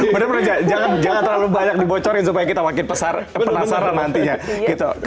benar benar jangan terlalu banyak dibocorin supaya kita makin penasaran nantinya gitu